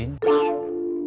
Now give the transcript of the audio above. mungkin selfie mas